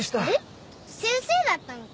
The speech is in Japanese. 先生だったんか。